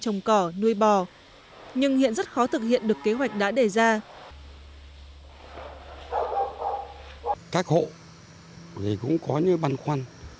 nhưng hiện rất khó thực hiện được kế hoạch đã đề ra